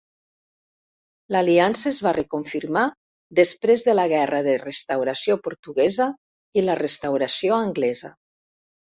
L'aliança es va reconfirmar després de la Guerra de Restauració portuguesa i la Restauració anglesa.